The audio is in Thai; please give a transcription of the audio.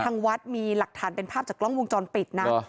ทางวัดมีหลักฐานเป็นภาพจากกล้องวงจรปิดนะ